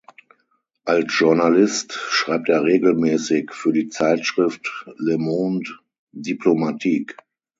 Als Journalist schreibt er regelmäßig für die Zeitschrift "Le Monde Diplomatique".